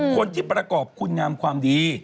คนที่ประกอบคุณงามความดี